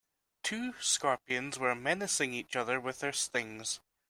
Two scorpions were menacing each other with their stings.